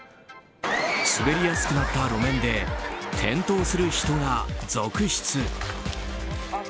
滑りやすくなった路面で転倒する人が続出。